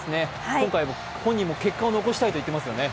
今回は本人も結果を残したいと言っていますよね。